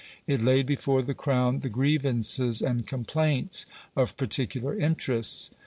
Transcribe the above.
It laid before the Crown the grievances and complaints of particular interests.